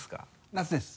夏です。